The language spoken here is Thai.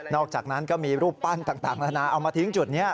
อกจากนั้นก็มีรูปปั้นต่างนานาเอามาทิ้งจุดนี้